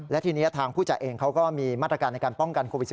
และทีนี้ทางผู้จัดเองเขาก็มีมาตรการในการป้องกันโควิด๑๙